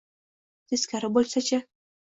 Teskarisi bo’lsa-chi?